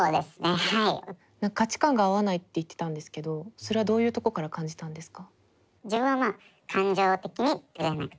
価値観が合わないって言ってたんですけどそれはどういうとこから感じたんですか？